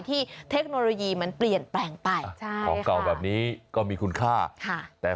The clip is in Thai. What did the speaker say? ที่เทคโนโลยีมันเปลี่ยนแปลงใต้ของเก่าแบบนี้ก็คุณค่า